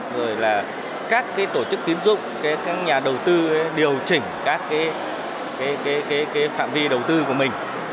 rồi là các tổ chức tiến dụng các nhà đầu tư điều chỉnh các phạm vi đầu tư của mình